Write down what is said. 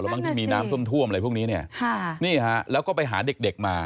แล้วมันมีน้ำซุ่มท่วมอะไรพวกนี้เนี่ยนี่ค่ะแล้วก็ไปหาเด็กมา